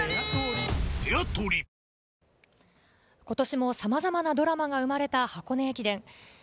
今年も様々なドラマが生まれた箱根駅伝。